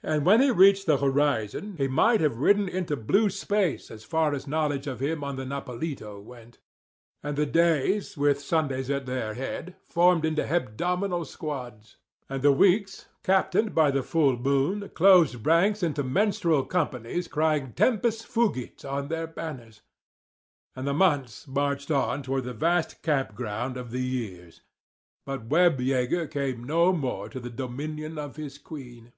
And when he reached the horizon he might have ridden on into blue space as far as knowledge of him on the Nopalito went. And the days, with Sundays at their head, formed into hebdomadal squads; and the weeks, captained by the full moon, closed ranks into menstrual companies crying "Tempus fugit" on their banners; and the months marched on toward the vast camp ground of the years; but Webb Yeager came no more to the dominions of his queen.